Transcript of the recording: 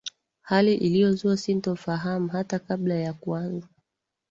hali iliyozua sintofahamu hata kabla ya kuanza